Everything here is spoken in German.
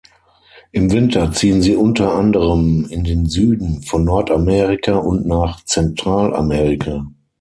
Im Winter ziehen sie unter anderem in den Süden von Nordamerika und nach Zentralamerika.